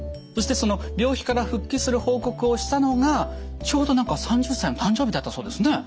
そしてその病気から復帰する報告をしたのがちょうど何か３０歳の誕生日だったそうですね？